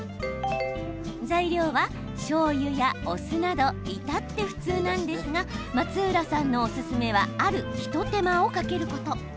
材料は、しょうゆやお酢など至って普通なんですが松浦さんのおすすめはある一手間をかけること。